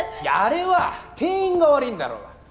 いやあれは店員がわりいんだろうが。